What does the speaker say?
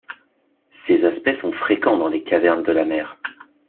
Ces aspects sont fréquents dans les cavernes de la mer.